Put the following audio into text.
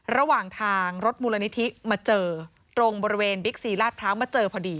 ระหว่างทางรถมูลนิธิมาเจอตรงบริเวณบิ๊กซีลาดพร้าวมาเจอพอดี